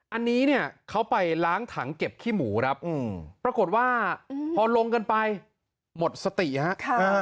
อันนี้เนี่ยเขาไปล้างถังเก็บขี้หมูครับปรากฏว่าพอลงกันไปหมดสติฮะ